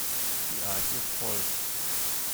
Die Arche ist voll.